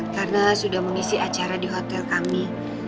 karena sudah mengisi acara di hotel kami